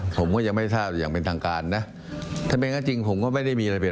ที่ให้สัมภาษณ์สือขณะที่อยู่ที่อินเดีย